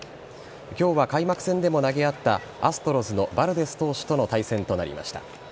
今日は開幕戦でも投げ合ったアストロズのバルデス投手との対戦となりました。